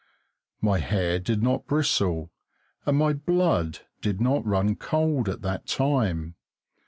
My hair did not bristle and my blood did not run cold that time.